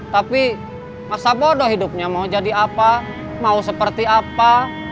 tapi masa bodoh hidupnya mau jadi apa mau seperti apa